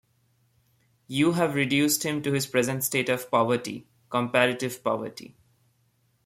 You have reduced him to his present state of poverty — comparative poverty.